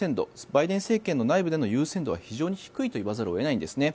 バイデン政権の内部での優先度は低いと言わざるを得ないんです。